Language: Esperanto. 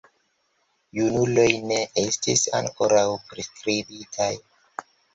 Junuloj ne estis ankoraŭ priskribitaj.